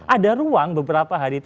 ada ruang beberapa hari